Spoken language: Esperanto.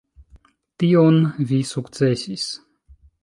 Tion vi sukcesis.